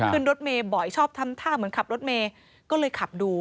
ขึ้นรถเมย์บ่อยชอบทำท่าเหมือนขับรถเมย์ก็เลยขับดู